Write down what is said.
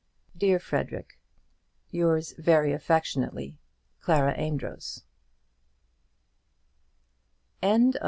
Dear Frederic, Yours very affectionately, CLARA AMEDROZ.